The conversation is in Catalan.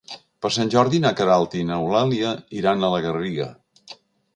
Per Sant Jordi na Queralt i n'Eulàlia iran a la Garriga.